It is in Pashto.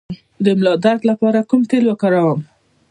د ملا درد لپاره کوم تېل وکاروم؟